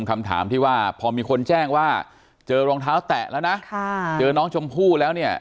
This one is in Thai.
คำถามที่ว่าพอมีคนแจ้งว่าเจอรองเท้าแตะแล้วนะเจอน้องชมพู่แล้วเนี่ย